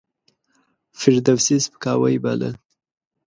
فردوسي سپکاوی باله.